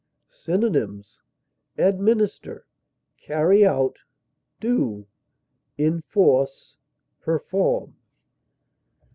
Synonyms: administer, carry out, do, enforce, perform.